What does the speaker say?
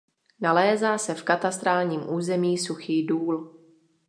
Nalézá se v katastrálním území Suchý Důl.